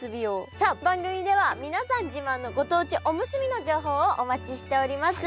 さあ番組では皆さん自慢のご当地おむすびの情報をお待ちしております。